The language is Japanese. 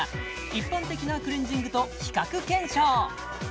一般的なクレンジングと比較検証！